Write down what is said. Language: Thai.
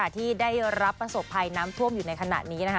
ที่ได้รับประสบภัยน้ำท่วมอยู่ในขณะนี้นะคะ